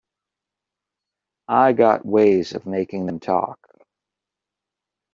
I got ways of making them talk.